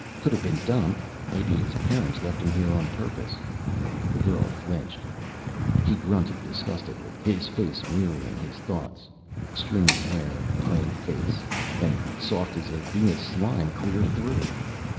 Could have been dumped. Maybe his parents left him on purpose." The girl flinched. He grunted disgustedly, his face mirroring his thoughts. _Stringy hair ... plain face ... and soft as Venus slime clear through!